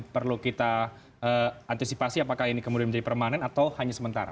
perlu kita antisipasi apakah ini kemudian menjadi permanen atau hanya sementara